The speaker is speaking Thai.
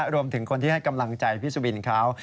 รวมถึงคนที่ให้กำลังใจพี่สุบินเขา